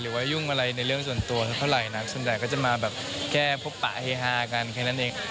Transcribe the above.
ยุ่งอะไรในเรื่องส่วนตัวเท่าไหร่นักส่วนใหญ่ก็จะมาแบบแก้พบปะเฮฮากันแค่นั้นเอง